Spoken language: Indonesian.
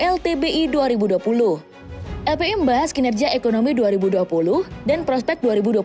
lpi membahas kinerja ekonomi dua ribu dua puluh dan prospek dua ribu dua puluh satu